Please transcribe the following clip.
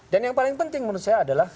dan yang paling penting menurut saya adalah